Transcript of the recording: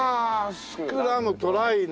「スク」「ラム」「トライ」ね！